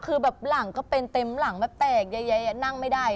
คือแบบหลังก็เป็นเต็มหลังแบบแตกเยอะนั่งไม่ได้